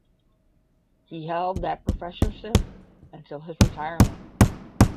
He held that professorship until his retirement.